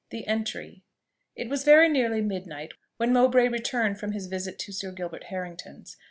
THE ENTRY. It was very nearly midnight when Mowbray returned from his visit to Sir Gilbert Harrington's.